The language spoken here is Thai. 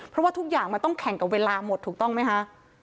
เพราะว่าทุกอย่างมันต้องแข่งกับเวลาหมดถูกต้องไหมคะ